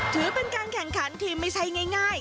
ถือเป็นการแข่งขันที่ไม่ใช่ง่าย